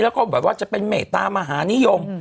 แล้วก็เป็นเมตต้ามหานิยม